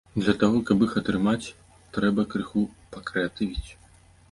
Для таго, каб іх атрымаць, трэба крыху пакрэатывіць!